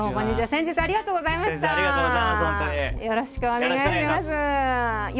先日はありがとうございます本当に。